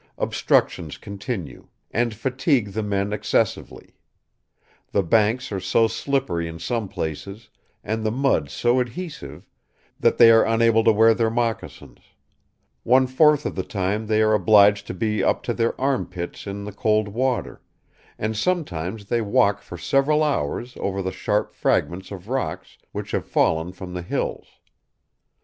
Obstructions continue, and fatigue the men excessively. The banks are so slippery in some places, and the mud so adhesive, that they are unable to wear their moccasins; one fourth of the time they are obliged to be up to their arm pits in the cold water, and sometimes they walk for several hours over the sharp fragments of rocks which have fallen from the hills.